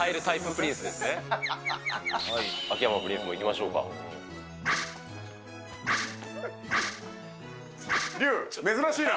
プリンス秋山プリンスもいきましょうリュウ、珍しいな。